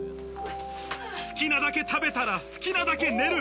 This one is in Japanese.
好きなだけ食べたら好きなだけ寝る。